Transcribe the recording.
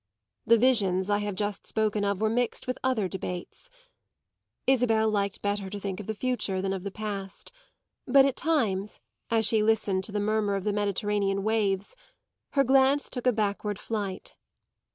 The visions I have just spoken of were mixed with other debates. Isabel liked better to think of the future than of the past; but at times, as she listened to the murmur of the Mediterranean waves, her glance took a backward flight.